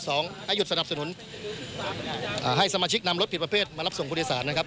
ให้หยุดสนับสนุนอ่าให้สมาชิกนำรถผิดประเภทมารับส่งผู้โดยสารนะครับ